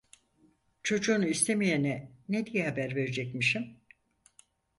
Çocuğunu istemeyene ne diye haber verecekmişim?